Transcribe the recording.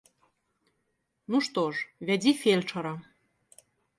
Ну, што ж, вядзі фельчара.